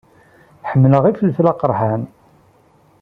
Ḥemmleɣ ifelfel aqerḥan.